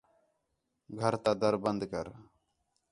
گھر تا در بند کر